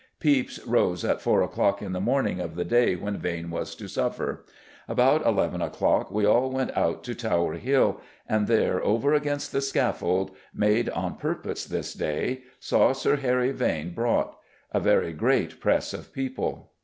Pepys rose "at four o'clock in the morning" of the day when Vane was to suffer. "About eleven o'clock we all went out to Tower Hill, and there, over against the scaffold, made on purpose this day, saw Sir Harry Vane brought. A very great press of people."